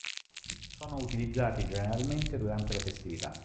Sono utilizzati generalmente durante le festività.